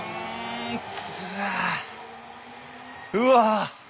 うわ！